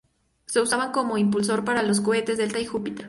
Se usaba como impulsor para los cohetes Delta y Júpiter.